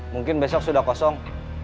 mungkin besok sudah kosong